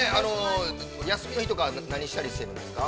休みの日とか、何したりしてるんですか。